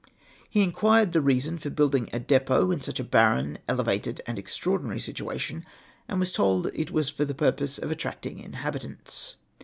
He in quired the reason for building a depot in such a barren, elevated, and extraordinary situation, and was told that it was for the purpose of attracting inhabitants.